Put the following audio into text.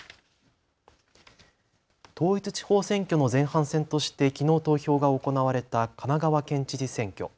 統一地方選挙の前半戦としてきのう投票が行われた神奈川県知事選挙。